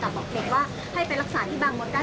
แต่กลับออกเมตรว่าให้ไปรักษาที่บางมนต์ได้